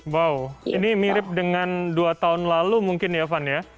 wow ini mirip dengan dua tahun lalu mungkin ya van ya